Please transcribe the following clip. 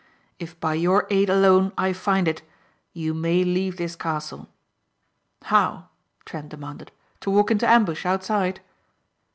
If by your aid alone I find it you may leave this castle." "How?" Trent demanded. "To walk into ambush outside?"